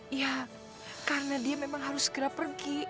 ya karena dia memang harus segera pergi